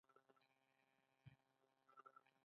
ایا زه باید پرهیز وکړم؟